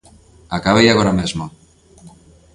Acabei agora mesmo.